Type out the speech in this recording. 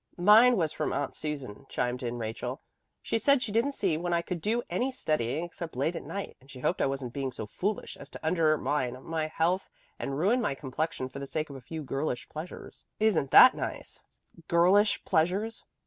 "Mine was from Aunt Susan," chimed in Rachel. "She said she didn't see when I could do any studying except late at night, and she hoped I wasn't being so foolish as to undermine my health and ruin my complexion for the sake of a few girlish pleasures. Isn't that nice girlish pleasures?